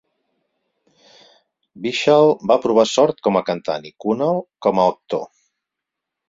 Vishal va provar sort com a cantant i Kunal, com a actor.